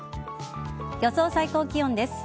予想最高気温です。